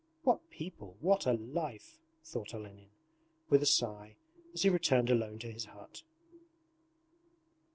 'What people, what a life!' thought Olenin with a sigh as he returned alone to his hut.